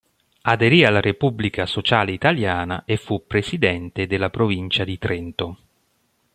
Aderì alla Repubblica Sociale Italiana e fu presidente della provincia di Trento.